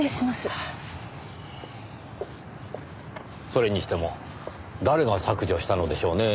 それにしても誰が削除したのでしょうねぇ。